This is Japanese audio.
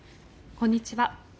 こんにちは。